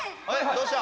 どうした？